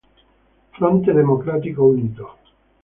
Fronte Democratico Unito